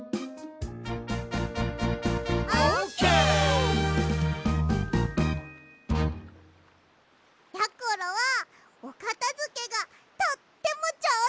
オーケー！やころはおかたづけがとってもじょうずなんだよ！